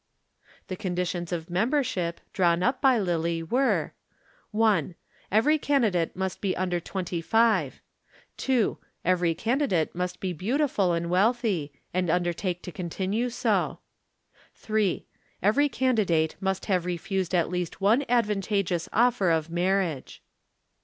The conditions of membership, drawn up by Lillie, were: 1. Every candidate must be under twenty five. 2. Every candidate must be beautiful and wealthy, and undertake to continue so. 3. Every candidate must have refused at least one advantageous offer of marriage.